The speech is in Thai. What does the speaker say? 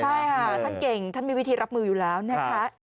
ใช่ค่ะท่านเก่งท่านมีวิธีรับมืออยู่แล้วนะคะ